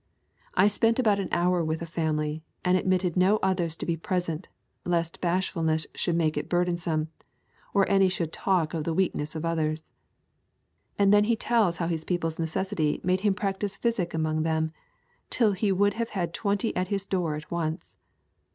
I spent about an hour with a family, and admitted no others to be present, lest bashfulness should make it burdensome, or any should talk of the weakness of others.' And then he tells how his people's necessity made him practise physic among them, till he would have twenty at his door at once.